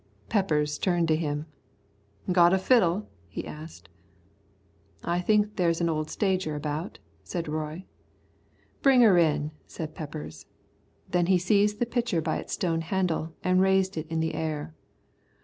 Peppers turned to him. "Got a fiddle?" he asked. "I think there's an old stager about," said Roy. "Bring her in," said Peppers. Then he seized the pitcher by its stone handle and raised it in the air.